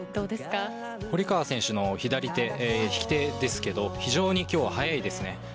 堀川選手の左手引き手ですが非常に今日速いですね。